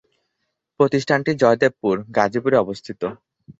প্রতিষ্ঠানটি জয়দেবপুর, গাজীপুরে অবস্থিত।